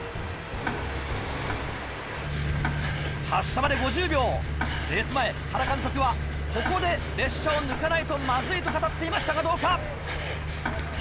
発車まで５０秒レース前原監督はここで列車を抜かないとまずいと語っていましたがどうか？